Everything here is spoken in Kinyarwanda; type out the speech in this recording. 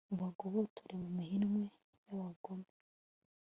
mubagobotore mu minwe y'abagome